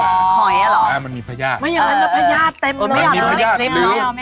มันมีพญาติมันมีพญาติเต็มแล้ว